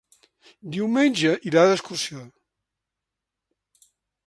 Diumenge irà d'excursió.